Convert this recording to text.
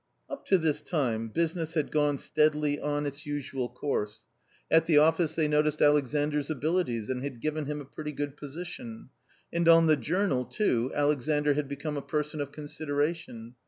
Up to this time business had gone steadily on its usual y A COMMON STORY 67 course. At the office they noticed Alexandras abilities and had given him a pretty good position. And on the journal, too, Alexandr had become a person of consideration.